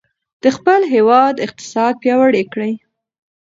د خپل هېواد اقتصاد پیاوړی کړئ.